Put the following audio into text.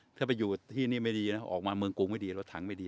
ถ้าไปอยู่ที่นี่ไม่ดีนะออกมาเมืองกรุงไม่ดีรถถังไม่ดี